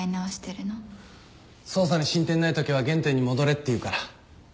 捜査に進展ないときは原点に戻れっていうから。